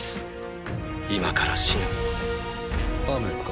今から死ぬ雨か？